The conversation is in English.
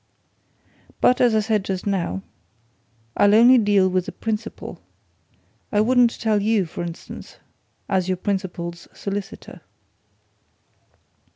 But, as I said just now, I'll only deal with the principal. I wouldn't tell you, for instance as your principal's solicitor."